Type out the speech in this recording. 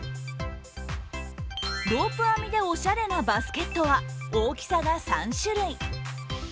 ロープ編みでおしゃれなバスケットは大きさが３種類。